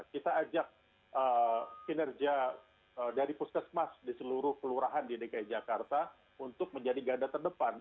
kita ajak kinerja dari puskesmas di seluruh kelurahan di dki jakarta untuk menjadi gada terdepan